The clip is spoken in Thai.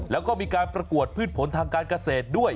แล้วก็มีการประกวดพืชผลทางการเกษตรด้วย